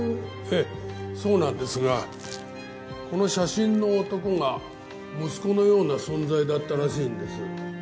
ええそうなんですがこの写真の男が息子のような存在だったらしいんです。